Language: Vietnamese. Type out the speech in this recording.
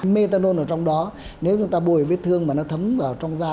metanol ở trong đó nếu chúng ta bồi vết thương mà nó thấm vào trong da